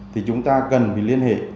thì chúng ta cần bị liên hệ